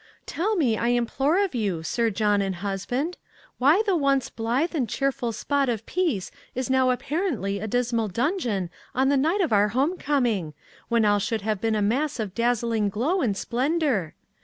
"Tell me, I implore of you, Sir John and husband, why the once blithe and cheerful spot of peace is now apparently a dismal dungeon on the night of our home coming, when all should have been a mass of dazzling glow and splendour?